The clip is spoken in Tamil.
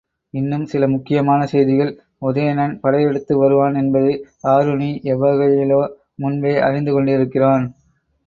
இன்னும் சில முக்கியமான செய்திகள் உதயணன் படையெடுத்து வருவான் என்பதை ஆருணி எவ்வகையிலோ முன்பே அறிந்து கொண்டிருக்கிறான்.